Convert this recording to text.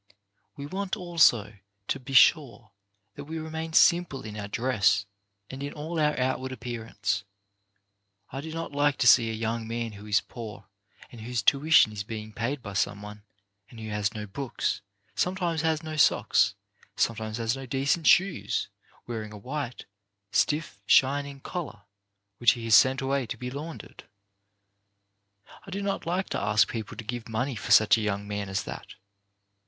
We want, also, to be sure that we remain simple in our dress and in all our outward appearance. I do not like to see a young man who is poor, and whose tuition is being paid by some one, and who has no books, sometimes has no socks, some times has no decent shoes, wearing a white, stiff, shining collar which he has sent away to be laund 38 CHARACTER BUILDING ered. I do not like to ask people to give money for such a young man as that.